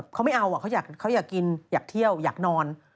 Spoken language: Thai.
เขาไม่เอาเขาอยากกินอยากเที่ยวอยากนอน